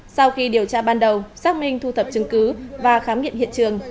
sau khi điều tra ban đầu xác minh thu thập chứng cứ và khám nghiệm hiện trường